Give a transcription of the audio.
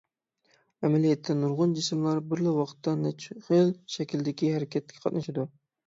ئەمەلىيەتتە، نۇرغۇن جىسىملار بىرلا ۋاقىتتا نەچچە خىل شەكىلدىكى ھەرىكەتكە قاتنىشىدۇ.